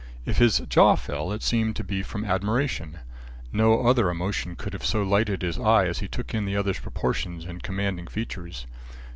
If his jaw fell, it seemed to be from admiration. No other emotion would have so lighted his eye as he took in the others proportions and commanding features.